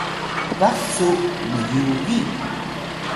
baq cu myugi